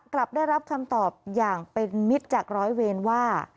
กลับได้รับคำตอบอย่างเป็นมิตรจากร้อยเวรว่า